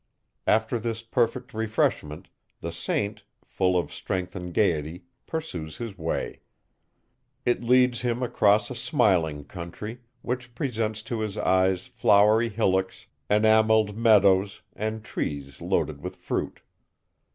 After this perfect refreshment, the saint, full of strength and gaiety, pursues his way; it leads him across a smiling country, which presents to his eyes flowery hillocks, enamelled meadows, and trees loaded with fruit.